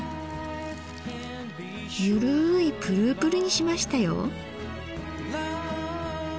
ゆるいプルプルにしましたよ。